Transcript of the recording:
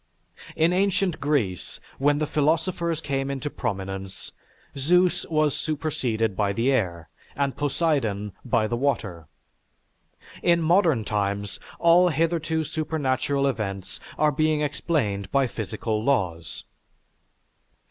In ancient Greece, when the philosophers came into prominence, Zeus was superseded by the air, and Poseidon by the water; in modern times, all hitherto supernatural events are being explained by physical laws.